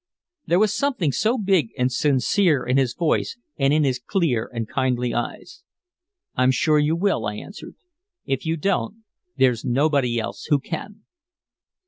There was something so big and sincere in his voice and in his clear and kindly eyes. "I'm sure you will," I answered. "If you don't, there's nobody else who can."